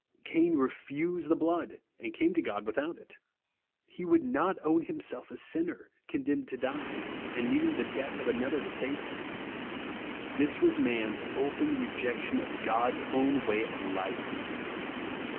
Cain refused the blood, and came to God v/ithout it. He would not own himself a sinner, condemned to die, and needing the death of another to save him. This was man's open rejection of God's own way of life.